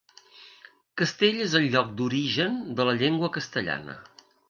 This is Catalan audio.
Castella és el lloc d'origen de la llengua castellana.